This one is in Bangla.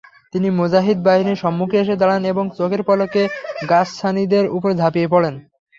তিনি মুজাহিদ বাহিনীর সম্মুখে এসে দাঁড়ান এবং চোখের পলকে গাসসানীদের উপর ঝাঁপিয়ে পড়েন।